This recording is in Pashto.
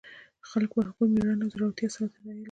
خلکو به د هغوی مېړانه او زړورتیا ستایله.